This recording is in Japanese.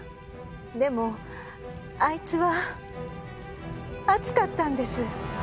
でもあいつは熱かったんです！